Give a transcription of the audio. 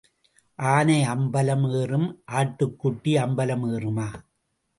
ஆனை அம்பலம் ஏறும் ஆட்டுக்குட்டி அம்பலம் ஏறுமா?